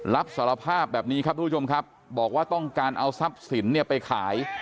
รับสารภาพแบบนี้ครับทุกผู้ชมครับบอกว่าต้องการเอาทรัพย์สินเนี่ยไปขาย